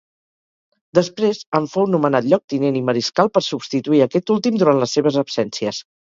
Després en fou nomenat lloctinent i mariscal per substituir aquest últim durant les seves absències.